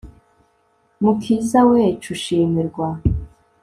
mukiza wecu shimirwa